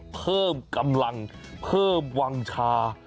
เพิ่มกำลังเพิ่มวังชา